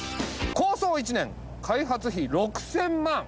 「構想１年開発費６０００万！」